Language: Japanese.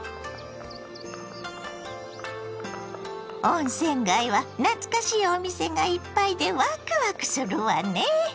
温泉街は懐かしいお店がいっぱいでワクワクするわね。